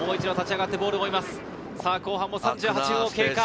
後半３８分を経過。